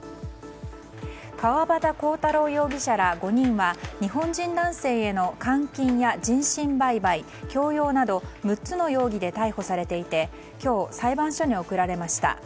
川端浩太郎容疑者ら５人は日本人男性への監禁や人身売買強要など６つの容疑で逮捕されていて今日、裁判所に送られました。